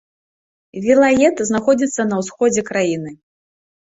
Вілает знаходзіцца на ўсходзе краіны.